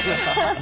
何？